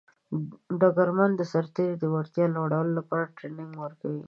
ډګرمن د سرتیرو د وړتیا لوړولو لپاره ټرینینګ ورکوي.